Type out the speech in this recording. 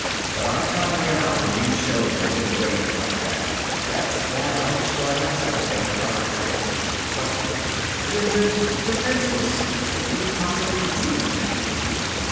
But our time ran out when you showed them we were ready to fight back. That's why I destroyed our setup, and cut our trail." "But ... then we're defenseless! What can we possibly do?"